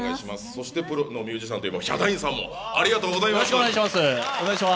そしてプロのミュージシャンのヒャダインさんも、ありがとうございます。